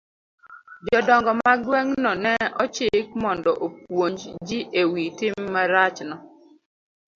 Jodongo mag gweng'no ne ochik mondo opuonj ji e wi tim marachno.